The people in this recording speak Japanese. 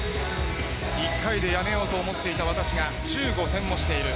１回でやめようと思っていた私が１５戦をしている。